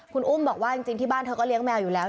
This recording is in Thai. คุณอุ้มบอกว่าจริงที่บ้านเธอก็เลี้ยแมวอยู่แล้ว